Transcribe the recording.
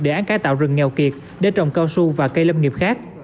đề án cải tạo rừng nghèo kiệt để trồng cao su và cây lâm nghiệp khác